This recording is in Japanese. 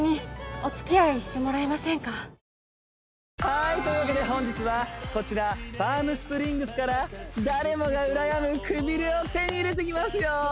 はいというわけで本日はこちらパーム・スプリングスから誰もがうらやむくびれを手に入れていきますよ！